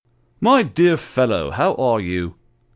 " My dear fellow, how are you